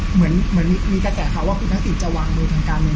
เหมือนมีกระแสข่าวว่าคุณทักษิตจะวางมือทางการเมือง